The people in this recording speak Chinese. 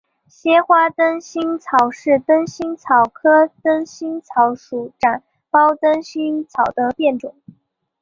褐花灯心草是灯心草科灯心草属展苞灯心草的变种。